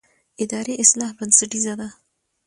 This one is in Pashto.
اداري اصلاح بنسټیزه ده